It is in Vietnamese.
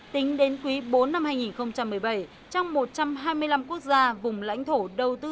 tính đến quý bốn năm hai nghìn một mươi bảy trong một trăm hai mươi năm quốc gia vùng lãnh thổ đầu tư